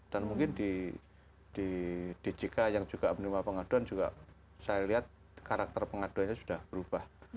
mungkin di djk yang juga menerima pengaduan juga saya lihat karakter pengaduannya sudah berubah